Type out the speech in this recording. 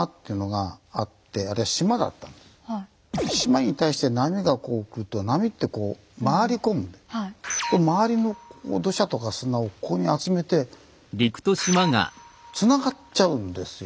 島に対して波がこう来ると波ってこう回り込むんで周りの土砂とか砂をここに集めてつながっちゃうんですよ。